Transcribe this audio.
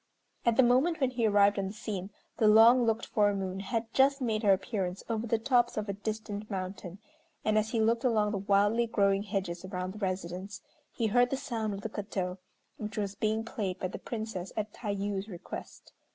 At the moment when he arrived on the scene the long looked for moon had just made her appearance over the tops of a distant mountain, and as he looked along the wildly growing hedges around the residence, he heard the sound of the koto, which was being played by the Princess at Tayû's request.